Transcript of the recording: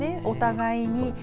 お互いに。